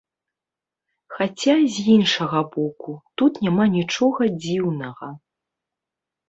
Хаця, з іншага боку, тут няма нічога дзіўнага.